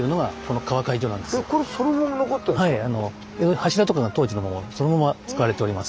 柱とかが当時のままそのまま使われております。